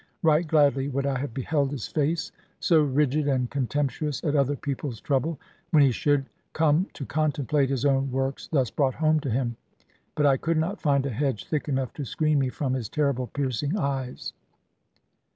Right gladly would I have beheld his face (so rigid and contemptuous at other people's trouble) when he should come to contemplate his own works thus brought home to him. But I could not find a hedge thick enough to screen me from his terrible piercing eyes.